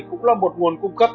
cũng là một nguồn cung cấp